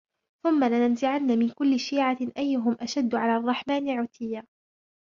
ثم لننزعن من كل شيعة أيهم أشد على الرحمن عتيا